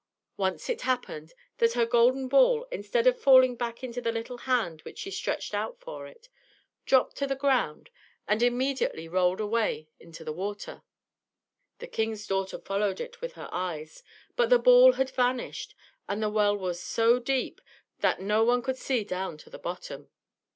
Once it happened that her golden ball, instead of falling back into the little hand that she stretched out for it, dropped on the ground, and immediately rolled away into the water. The king's daughter followed it with her eyes, but the ball had vanished, and the well was so deep that no one could see down to the bottom.